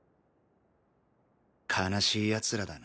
悲しい奴らだな。